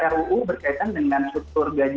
ruu berkaitan dengan struktur gaji